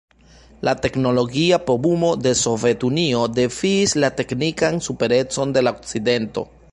La teknologia povumo de Sovetunio defiis la teknikan superecon de la Okcidento.